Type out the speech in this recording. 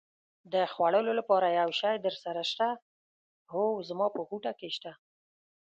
د خوړلو لپاره یو شی درسره شته؟ هو، زما په غوټه کې شته.